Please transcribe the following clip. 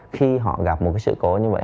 khi họ gặp một cái sự cố như vậy